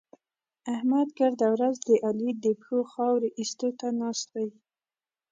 احمد ګرده ورځ د علي د پښو خاورې اېستو ته ناست دی.